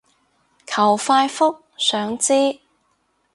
求快覆，想知